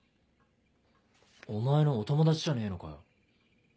お前のお友達じゃねえのかよ？